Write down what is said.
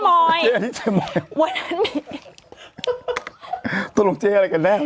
ไม่เป็นไรครับ